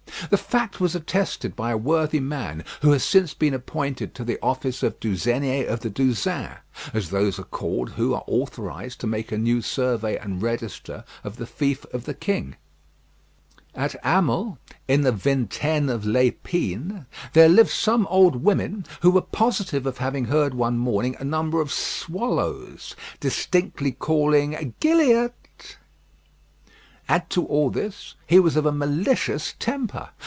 The fact was attested by a worthy man who has since been appointed to the office of Douzenier of the Douzaine, as those are called who are authorised to make a new survey and register of the fief of the king. At Hamel, in the Vingtaine of L'Epine, there lived some old women who were positive of having heard one morning a number of swallows distinctly calling "Gilliatt." Add to all this that he was of a malicious temper.